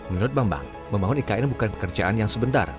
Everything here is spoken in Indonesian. menurut bambang membangun ikn bukan pekerjaan yang sebentar